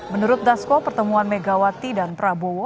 menurut dasko pertemuan megawati dan prabowo